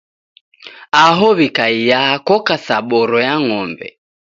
Aho w'ikaiya koka sa boro ya ng'ombe.